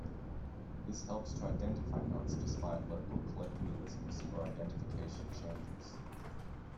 This helps to identify knots despite local colloquialisms or identification changes.